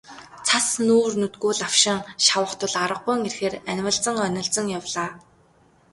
Цас нүүр нүдгүй лавшин шавах тул аргагүйн эрхээр анивалзан онилзон явлаа.